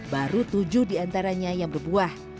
baru tujuh diantaranya yang berbuah